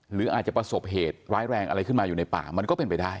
หรืออาจจะประสบเหตุร้ายแรงอะไรขึ้นมาอยู่ในป่ามันก็เป็นไปได้